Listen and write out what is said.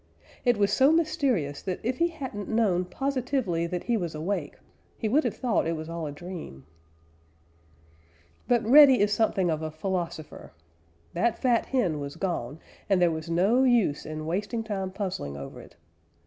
It was so mysterious that if he hadn't known positively that he was awake he would have thought it was all a dream. But Reddy is something of a philosopher. That fat hen was gone, and there was no use in wasting time puzzling over it.